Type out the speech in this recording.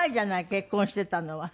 結婚してたのは。